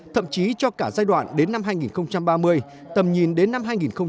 góp cả giai đoạn đến năm hai nghìn ba mươi tầm nhìn đến năm hai nghìn bốn mươi năm